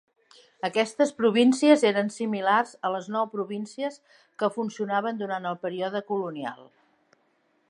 Aquestes províncies eren similars a les nou províncies que funcionaven durant el període colonial.